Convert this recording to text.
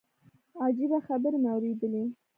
عجيبه خبرې مې اورېدلې.